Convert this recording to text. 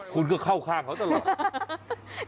คุณก็เข้าข้างเขาตลอด